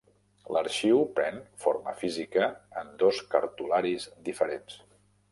L'arxiu pren forma física en dos cartularis diferents.